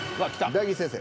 大吉先生。